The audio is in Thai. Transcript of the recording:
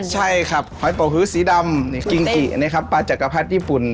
ใช่ครับหอยปอกฮือสีดำกิงกิปลาจักรพรรษญี่ปุ่น